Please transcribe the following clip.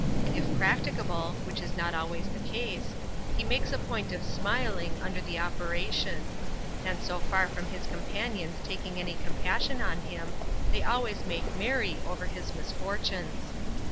If practicable (which is not always the case), he makes a point of smiling under the opera tion. And so far from his companions taking any compassion on him, they always make merry over his misfortunes.